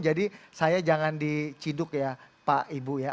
jadi saya jangan diciduk ya pak ibu ya